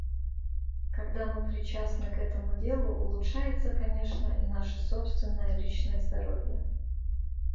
Когда мы причастны к этому делу, улучшается, конечно, и наше собственное, личное здоровье.